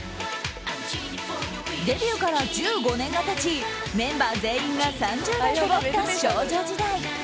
デビューから１５年が経ちメンバー全員が３０代となった少女時代。